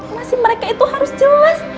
nasib mereka itu harus jelas